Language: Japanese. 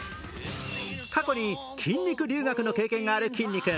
過去に筋肉留学の経験があるきんに君。